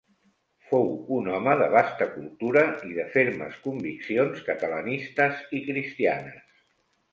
Fou un home de vasta cultura i de fermes conviccions catalanistes i cristianes.